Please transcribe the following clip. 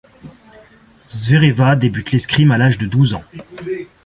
Zvereva débute l'escrime à l'âge de douze ans.